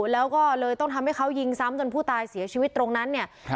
แล้วก็เลยต้องทำให้เขายิงซ้ำจนผู้ตายเสียชีวิตตรงนั้นเนี่ย